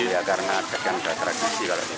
ya karena adat yang tidak tradisi